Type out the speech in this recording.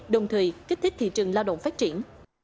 đồng thời kích thích thị trường lao động phát triển